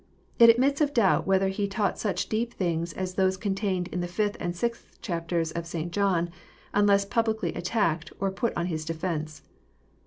It admits of doubt whether He taught such deep things as those contained in the 6th and 6th chapters of St. John, unless publicly attacked, or put on His defence.